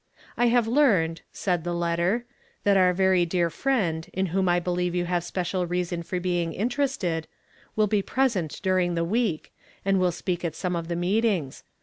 "I have learned," said the letter, " that our very dear friend, in whom I believe you have special reason for being inter "AS THE HART PANTETH. 213 ested, will be present during the week, and will spetik at some of the meetings.